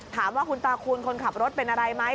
ถามว่าคุณตาคูณคนขับรถเป็นอะไรไหม